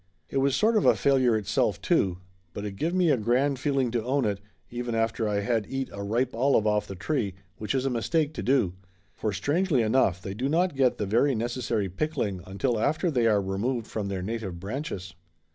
It was sort of a failure itself, too, but it give me a grand feeling to own it, even after I had eat a ripe olive off the tree which is a mistake to do, for strangely enough they do not get the very necessary pickling until after they are removed from their native branches.